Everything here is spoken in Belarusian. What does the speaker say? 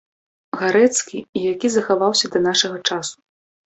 Гарэцкі і які захаваўся да нашага часу.